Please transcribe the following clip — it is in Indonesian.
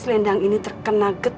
selendang itu buat kamu kek naturalized